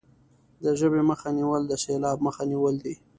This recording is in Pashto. د ژبې مخه نیول د سیلاب مخه نیول دي.